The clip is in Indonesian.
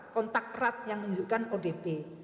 kontak erat yang menunjukkan odp